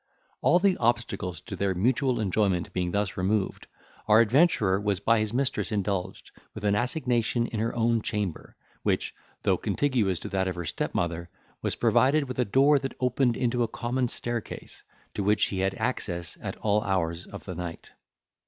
All the obstacles to their mutual enjoyment being thus removed, our adventurer was by his mistress indulged with an assignation in her own chamber, which, though contiguous to that of her stepmother, was provided with a door that opened into a common staircase, to which he had access at all hours of the night.